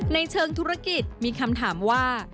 ในเชิงธุรกิจมีคำถามว่า